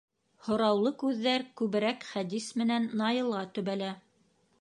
Һораулы күҙҙәр күберәк Хәдис менән Наилға төбәлә.